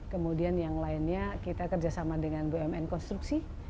kemudian yang lainnya kita kerjasama dengan bumn konstruksi